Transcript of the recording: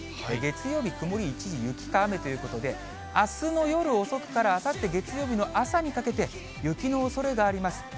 月曜日、曇り一時雨か雪ということで、あすの夜遅くからあさって月曜日の朝にかけて、雪のおそれがあります。